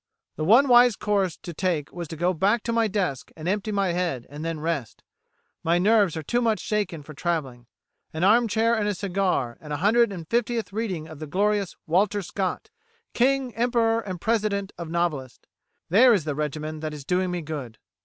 The one wise course to take was to go back to my desk and empty my head, and then rest. My nerves are too much shaken for travelling. An arm chair and a cigar, and a hundred and fiftieth reading of the glorious Walter Scott King, Emperor, and President of Novelists there is the regimen that is doing me good."